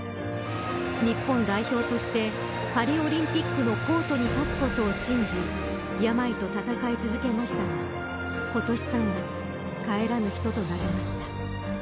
日本代表としてパリオリンピックのコートに立つことを信じ病と闘い続けましたが今年３月かえらぬ人となりました。